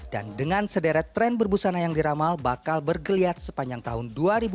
dan dengan sederet tren berbusana yang diramal bakal bergeliat sepanjang tahun dua ribu dua puluh